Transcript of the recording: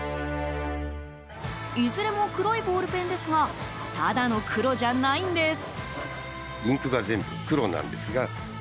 いずれも黒いボールペンですがただの黒じゃないんです。